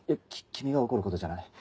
君が怒ることじゃない。